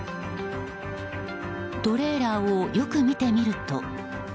トレーラーをよく見てみると。